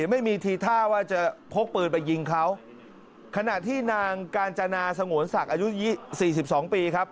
ไม่มีทีท่าว่าจะพกปืนไปยิงเขาขณะที่นางกาญจนาสงวนศักดิ์อายุสี่สิบสองปีครับ